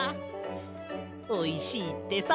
おいしいってさ！